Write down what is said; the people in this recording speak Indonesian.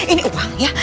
ini uang ya